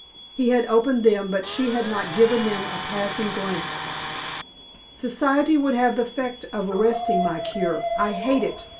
He had opened them but she had not given them a passing glance. "Society would have the effect of arresting my 'cure.' I hate it.